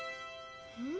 うん？